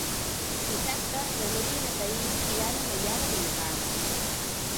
Dissabte na Núria i na Thaís iran a Maià de Montcal.